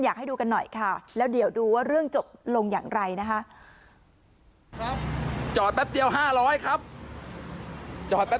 อยากให้ดูกันหน่อยค่ะแล้วเดี๋ยวดูว่าเรื่องจบลงอย่างไรนะคะ